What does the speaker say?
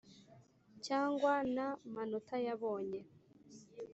cyangwa na manota yabonye,